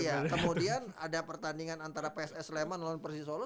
iya kemudian ada pertandingan antara pss leman lawan persisolo